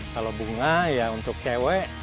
kalau bunga ya untuk cewek